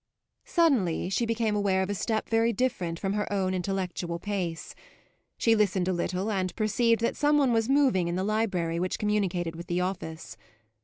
Suddenly she became aware of a step very different from her own intellectual pace; she listened a little and perceived that some one was moving in the library, which communicated with the office.